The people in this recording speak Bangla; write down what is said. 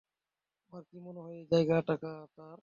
তোমার কী মনে হয় এই জায়গাটা তার?